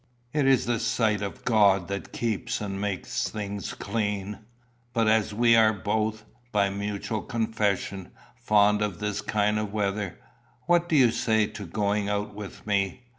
It is the sight of God that keeps and makes things clean. But as we are both, by mutual confession, fond of this kind of weather, what do you say to going out with me?